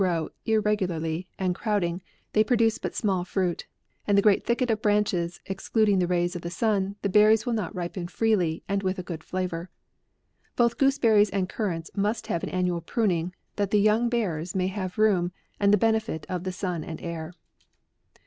49 grow irregularly and crowding, they produce but small fruit ; and the great thicket of branches excluding the rays of the sun, the berries will not ripen freely, and with a good flavour. Both gooseberries and currants must have an annual pruning, that the young bearers may have room, and the benefit of the sun and air.